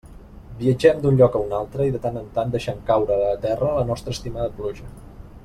Viatgem d'un lloc a un altre, i de tant en tant deixem caure a la terra la nostra estimada pluja.